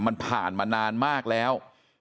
มันผ่านมานานมากแล้ว